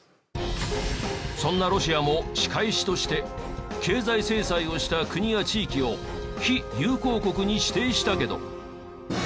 そんなロシアも仕返しとして経済制裁をした国や地域を非友好国に指定したけど。